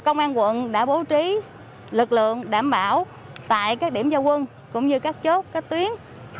công an quận đã bố trí lực lượng đảm bảo tại các điểm giao quân cũng như các chốt các tuyến